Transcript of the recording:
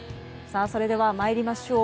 それでは、参りましょう。